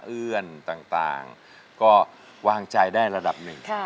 เอื้อนต่างก็วางใจได้ระดับหนึ่ง